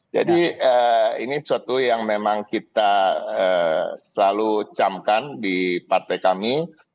jadi ini suatu yang memang kita selalu camkan di partai kami